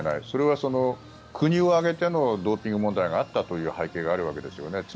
それは国を挙げてのドーピング問題があったという背景があるわけですよね。